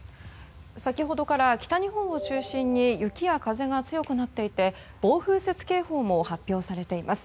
先ほどから北日本を中心に雪や風が強くなっていて暴風雪警報も発表されています。